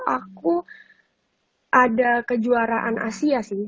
aku ada kejuaraan asia sih